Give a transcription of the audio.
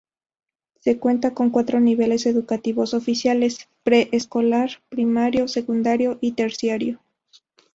Se cuenta con cuatro niveles educativos oficiales: pre escolar, primario, secundario y terciario.